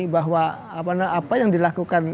bahwa apa yang dilakukan